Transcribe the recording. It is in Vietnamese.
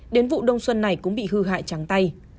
đến vụ đông xuân này cũng bị hư hại trắng tay